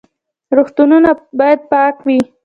روغتونونه باید پاک وي